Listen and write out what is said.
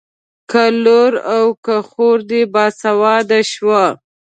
که لور او خور دې باسواده شوه.